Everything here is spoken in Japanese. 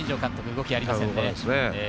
動きありませんね。